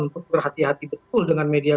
untuk berhati hati betul dengan media